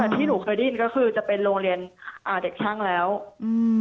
ที่หนูเคยได้ยินก็คือจะเป็นโรงเรียนอ่าเด็กช่างแล้วอืม